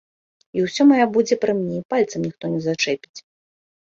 І ўсё маё будзе пры мне, і пальцам ніхто не зачэпіць.